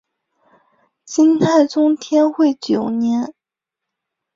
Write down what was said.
金太宗天会九年。